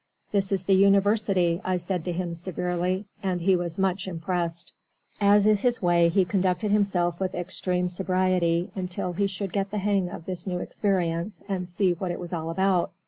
"This is the University," I said to him severely, and he was much impressed. As is his way, he conducted himself with extreme sobriety until he should get the hang of this new experience and see what it was all about.